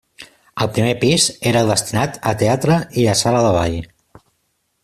El primer pis era el destinat a teatre i a sala de ball.